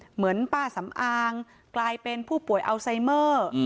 เหมือนป้าสำอางกลายเป็นผู้ป่วยอัลไซเมอร์